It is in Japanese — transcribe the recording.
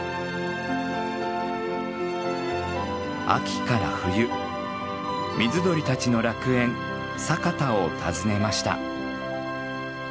秋から冬水鳥たちの楽園佐潟を訪ねました。